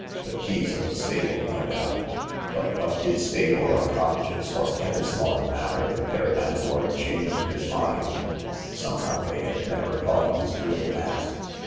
The keys of the stable, no doubt. But what did stable or cottages or tennis lawn matter if their landlord changed his mind ? Somehow they had never thought of his doing that.